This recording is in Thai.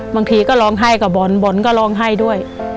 บางทีก็ร้องไห้กับบอลก็ร้องไห้ด้วย